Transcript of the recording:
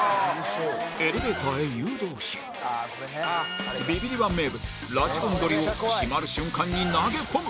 エレベーターへ誘導しビビリ −１ 名物ラジコン鳥を閉まる瞬間に投げ込む